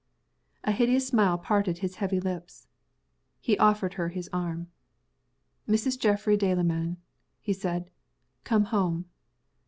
A hideous smile parted his heavy lips. He offered her his arm. "Mrs. Geoffrey Delamayn," he said. "Come home."